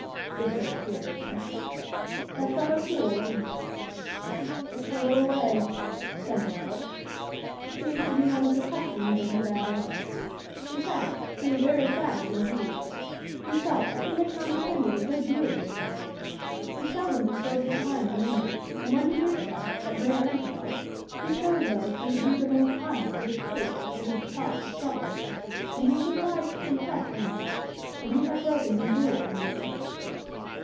with great seriousness: "that's rather cool, isn't it?" "It's her little way," said Barold. "It seems to be one of the customs of Nevada." In fact, he was very savage indeed. He felt that he had condescended a good deal lately. He seldom bestowed his time on women; and when he did so, at rare intervals, he chose those who would do the most honor to his taste at the least cost of trouble. And he was obliged to confess to himself that he had broken his rule in this case.